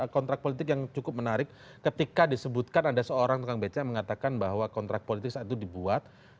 kontrak politik yang cukup menarik ketika disebutkan ada seorang tukang beca mengatakan bahwa kontrak politik saat itu dibuat